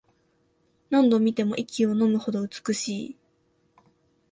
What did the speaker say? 何度見ても息をのむほど美しい